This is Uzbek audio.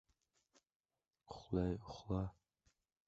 -Xanjar!